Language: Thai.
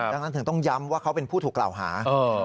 ดังนั้นถึงต้องย้ำว่าเขาเป็นผู้ถูกกล่าวหา